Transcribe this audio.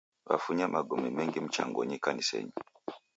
Wafunya magome mengi mchangonyi ikanisenyi